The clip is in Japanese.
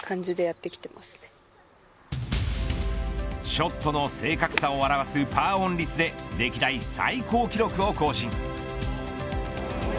ショットの正確さを表すパーオン率で歴代最高記録を更新。